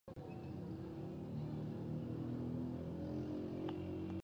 لمسی له ملګرو سره خوشحالېږي.